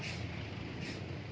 di ruas pantura karawang